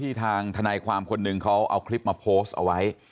ทางทนายความคนหนึ่งเขาเอาคลิปมาโพสต์เอาไว้